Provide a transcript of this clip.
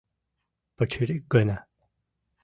— Пычырик гына...